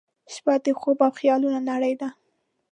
• شپه د خوب او خیالونو نړۍ ده.